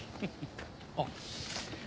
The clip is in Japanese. あっ。